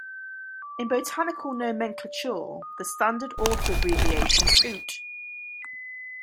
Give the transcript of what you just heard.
In botanical nomenclature, the standard author abbreviation Houtt.